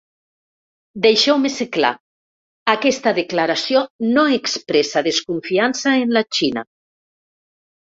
Deixeu-me ser clar: aquesta declaració no expressa desconfiança en la Xina.